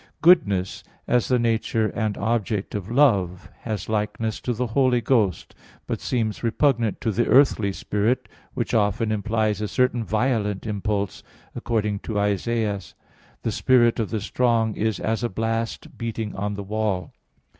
"Goodness," as the nature and object of love, has likeness to the Holy Ghost; but seems repugnant to the earthly spirit, which often implies a certain violent impulse, according to Isa. 25:4: "The spirit of the strong is as a blast beating on the wall."